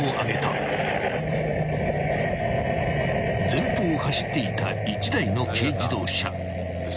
［前方を走っていた１台の軽自動車］